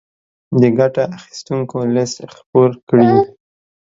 د ګټه اخيستونکو ليست خپور کړي.